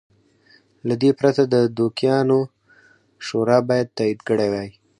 له دې پرته د دوکیانو شورا باید تایید کړی وای.